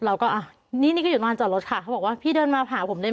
เราก็อ่ะนี่นี่ก็อยู่นอนจอดรถค่ะเขาบอกว่าพี่เดินมาหาผมเลย